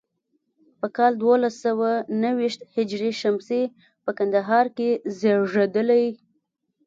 په کال دولس سوه نهو ویشت هجري شمسي په کندهار کې زیږېدلی.